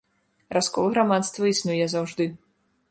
Раскол грамадства існуе заўжды.